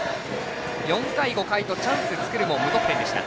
４回、５回とチャンス作るも無得点でした。